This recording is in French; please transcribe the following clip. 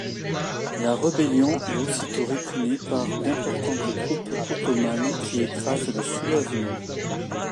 La rébellion est aussitôt réprimée par d'importante troupes ottomanes qui écrasent le soulèvement.